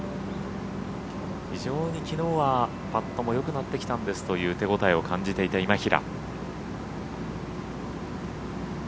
非常にきのうはパットもよくなってきたんですという手応えを感じていた今平。